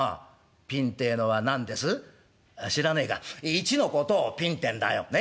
一のことをピンてんだよね？